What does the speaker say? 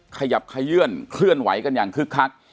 ขยับขยื่นเคลื่อนไหวกันอย่างคึกคัก